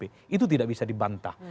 itu tidak bisa dibantah